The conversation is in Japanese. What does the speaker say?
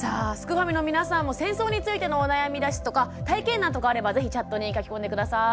ファミの皆さんも戦争についてのお悩みですとか体験談とかあれば是非チャットに書き込んで下さい。